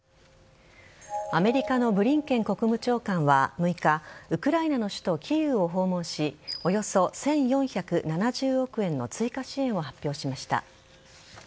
アメリカのブリンケン国務長官は６日ウクライナの首都・キーウを訪問しおよそ１４７０億円の追加支援を発表しました。